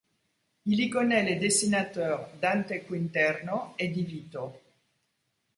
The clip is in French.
Il y connaît les dessinateurs Dante Quinterno et Divito.